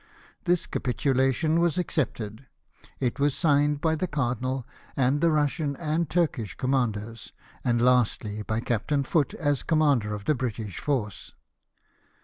This capitulation was accepted ; it was signed by the cardinal and the Russian and Turkish commanders, and lastly, by Captain Foote as commander of the British force.